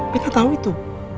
pita tau itu